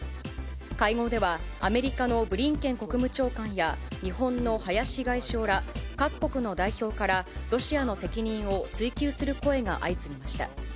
会合ではアメリカのブリンケン国務長官や日本の林外相ら、各国の代表からロシアの責任を追及する声が相次ぎました。